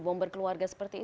bomber keluarga seperti itu